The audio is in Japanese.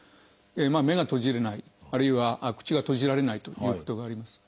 目が閉じれないあるいは口が閉じられないということがあります。